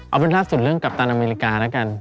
เอาเป็นล่าสุดเรื่องกัปตันอเมริกาแล้วกัน